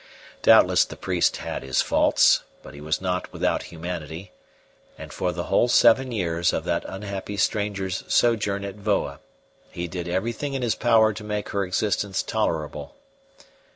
Doubtless the priest had his faults; but he was not without humanity, and for the whole seven years of that unhappy stranger's sojourn at Voa he did everything in his power to make her existence tolerable.